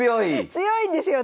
強いんですよ！